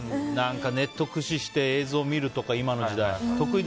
ネット駆使して、映像見るとか今の時代。